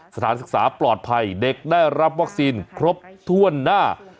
สถานศึกษาปลอดภัยเด็กได้รับวัคซีนครบถ้วนหน้า